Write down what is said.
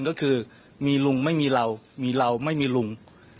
ก็คือมีลุงไม่มีเรามีเราไม่มีลุง